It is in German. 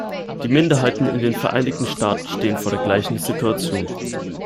Die Minderheiten in den Vereinigten Staaten stehen vor der gleichen Situation.